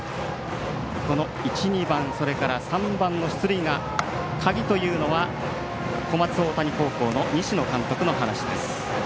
１、２番それから３番の出塁が鍵というのは小松大谷高校の西野監督の話です。